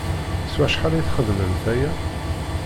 S wacḥal i txeddmemt aya?